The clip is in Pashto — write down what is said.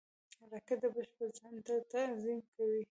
راکټ د بشر ذهن ته تعظیم کوي